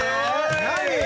何よ？